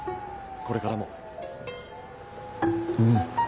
これからも。うん」。